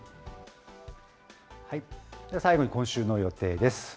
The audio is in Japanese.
では最後に今週の予定です。